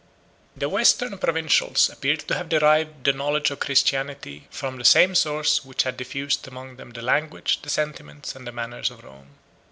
] The western provincials appeared to have derived the knowledge of Christianity from the same source which had diffused among them the language, the sentiments, and the manners of Rome.